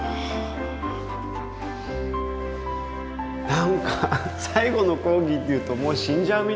なんか「最後の講義」というともう死んじゃうみたい。